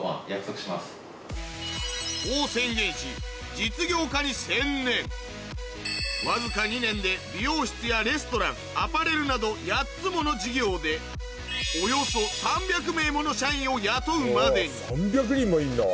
こう宣言しわずか２年で美容室やレストランアパレルなど８つもの事業でおよそ３００名もの社員を雇うまでに３００人もいんの？